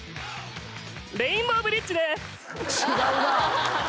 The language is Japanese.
レインボーブリッジです。